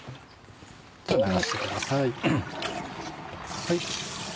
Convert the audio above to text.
流してください。